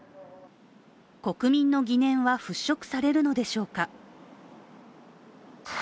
国民の疑念は払拭されるのでしょうか。